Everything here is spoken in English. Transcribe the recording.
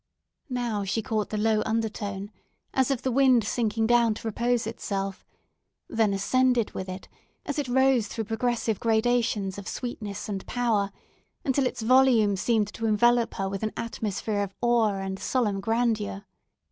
Now she caught the low undertone, as of the wind sinking down to repose itself; then ascended with it, as it rose through progressive gradations of sweetness and power, until its volume seemed to envelop her with an atmosphere of awe and solemn grandeur.